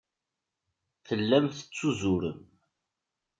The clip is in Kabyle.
Tellam tettuzurem.